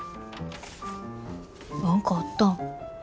何かあったん？